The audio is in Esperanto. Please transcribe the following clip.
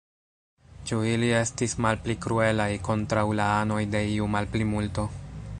Ĉu ili estis malpli kruelaj kontraŭ la anoj de iu malplimulto?